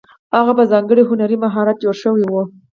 هغه په ځانګړي هنري مهارت جوړې شوې وې.